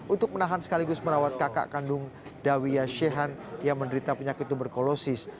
untuk menahan sekaligus merawat kakak kandung dawiya shehan yang menderita penyakit tuberkulosis